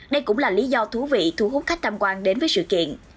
đây cũng là lý do thú vị thu hút khách tham quan đến với sự kiện